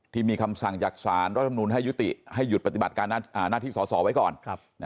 ที่มีคำสั่งจากสารรัฐมนุนให้ยุติให้หยุดปฏิบัติการหน้าที่สอสอไว้ก่อน